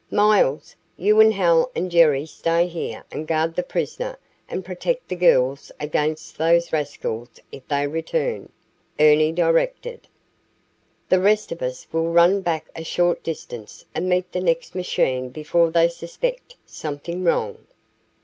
"Miles, you and Hal and Jerry stay here and guard the prisoner and protect the girls against those rascals if they return," Ernie directed. "The rest of us will run back a short distance and meet the next machine before they suspect something wrong."